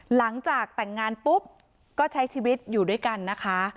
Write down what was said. หลังจากแต่งงานปุ๊บก็ใช้ชีวิตอยู่ด้วยกันนะคะ